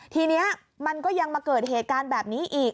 ทีนี้มันก็ยังมาเกิดเหตุการณ์แบบนี้อีก